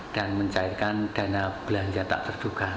dan mencairkan dana belanja tak terduga